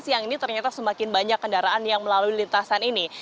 siang ini ternyata semakin banyak kendaraan yang melalui lintasan ini